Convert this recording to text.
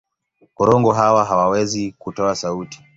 Korongo hawa hawawezi kutoa sauti.